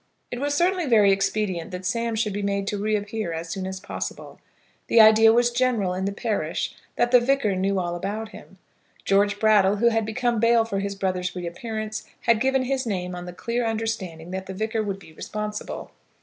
It was certainly very expedient that Sam should be made to reappear as soon as possible. The idea was general in the parish that the Vicar knew all about him. George Brattle, who had become bail for his brother's reappearance, had given his name on the clear understanding that the Vicar would be responsible.